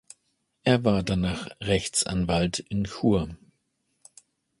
Er war danach Rechtsanwalt in Chur.